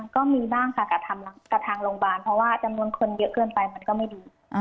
ก็มีบ้างค่ะกับทางโรงพยาบาลเพราะว่าจำนวนคนเยอะเกินไปมันก็ไม่ดี